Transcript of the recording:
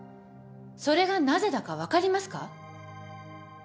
それがなぜだか分かりますか？